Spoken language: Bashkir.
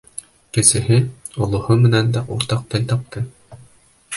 Кесеһе, олоһо менән дә уртаҡ тел тапты.